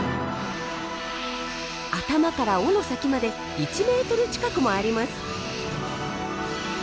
頭から尾の先まで１メートル近くもあります。